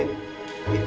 gak ada apa apa